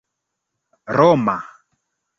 roma